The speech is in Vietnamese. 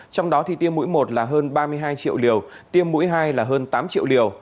trong đó thì tiêm mũi một là hơn ba mươi hai triệu liều tiêm mũi hai là hơn tám triệu liều